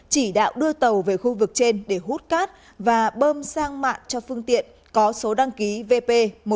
chỉ đạo đưa tàu về khu vực trên để hút cát và bơm sang mạng cho phương tiện có số đăng ký vp một nghìn chín trăm bảy mươi